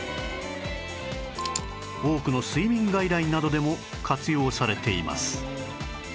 多くの睡眠外来などでも活用されています